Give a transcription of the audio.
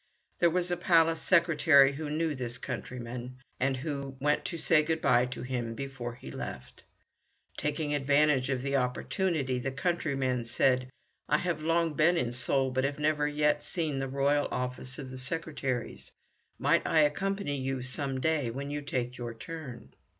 There was a palace secretary who knew this countryman, and who went to say good bye to him before he left. Taking advantage of the opportunity, the countryman said, "I have long been in Seoul, but have never yet seen the royal office of the secretaries. Might I accompany you some day when you take your turn?"